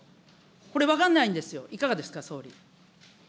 これ分かんないですよ、いかがですか、総理。